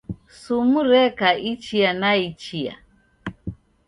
Sumu reka ichia na ichia.